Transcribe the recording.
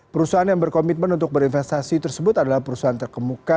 perusahaan yang berkomitmen untuk berinvestasi tersebut adalah perusahaan terkemuka